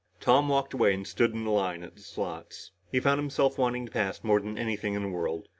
Tom walked away and stood in the line at the slots. He found himself wanting to pass more than anything in the world.